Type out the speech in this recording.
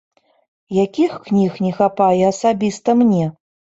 Якіх кніг не хапае асабіста мне?